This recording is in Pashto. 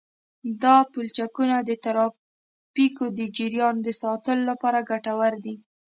دا پلچکونه د ترافیکو د جریان د ساتلو لپاره ګټور دي